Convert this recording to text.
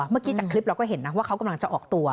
เมื่อกี้จากคลิปเราก็เห็นนะว่าเขากำลังจะออกตัว